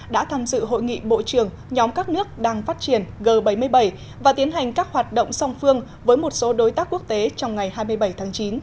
đã tham dự hội nghị bộ trưởng nhóm các nước đang phát triển g bảy mươi bảy và tiến hành các hoạt động song phương với một số đối tác quốc tế trong ngày hai mươi bảy tháng chín